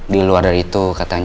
di luar dari itu